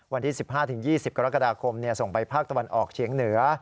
วันที่๑๕๒๐กรกฎาคมส่งไปภาคตะวันออกเฉียงเหนือ